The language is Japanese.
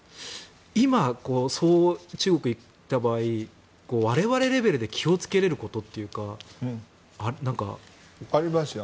今、中国に行った場合我々レベルで気をつけられることっていうかありますよ。